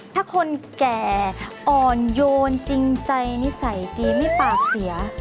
ถ้าคนแก่อ่อนโยนจริงใจนิสัยดีไม่ปากเสีย